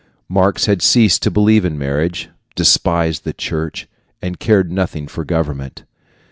Marx had ceased to believe in marriage, despised the church, and cared nothing for government.